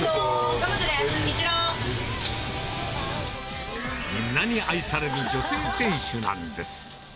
頑張ってね、みんなに愛される女性店主なんです。